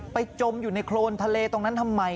จมอยู่ในโครนทะเลตรงนั้นทำไม